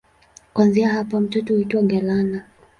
Kuanzia hapa mto huitwa Galana.